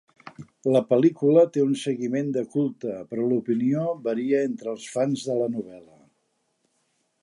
La pel·lícula té un seguiment de culte, però l'opinió varia entre els fans de la novel·la.